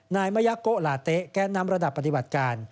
นายมะยะโกลาเต๊ะแกนนำระดับปฏิบัติการ